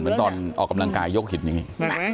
เหมือนตอนออกกำลังกายยกหินอย่างนี้